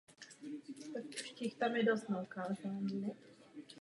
Od té doby cukrovar pracuje bez vynechání jediné kampaně na tomtéž místě.